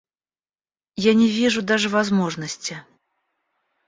Я не вижу даже возможности.